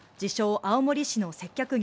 ・青森の接客業